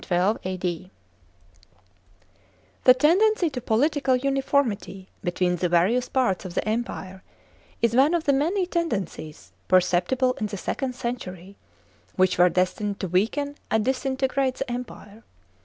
(4) The tendency to political uniformity between the various parts of the Empire is (1) one of the many tendencies, perceptible in the second century, which were destined to weaken and disinte grate the empire.